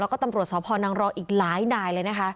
แล้วก็ตำรวจสพนังรออีกหลายนายเลยนะคะ